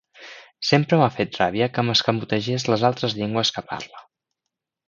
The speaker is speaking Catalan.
Sempre m'ha fet ràbia que m'escamotegés les altres llengües que parla.